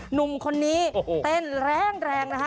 หนุ่มคนนี้เต้นแรงนะคะ